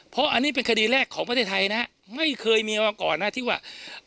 เพราะอันนี้เป็นคดีแรกของประเทศไทยนะไม่เคยมีมาก่อนนะที่ว่า